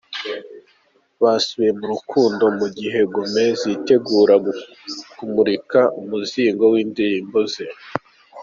Basubiye mu rukundo mu gihe Gomez yitegura kumurika umuzingo w’indirimbo ze.